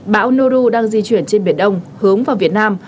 bão noru đang di chuyển trên biển đông hướng vào việt nam